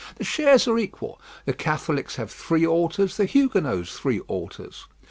The shares are equal; the Catholics have three altars, the Huguenots three altars.